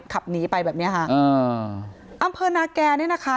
ขับหนีไปแบบเนี้ยค่ะอ่าอำเภอนาแก่เนี่ยนะคะ